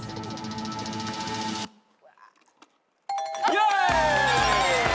イエーイ！